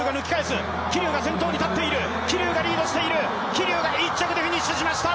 桐生が１着でフィニッシュしました